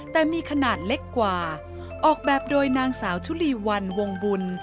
แต่มีขนาดเล็กกว่าออกแบบโดยนางสาวชุลีวันวงบุญ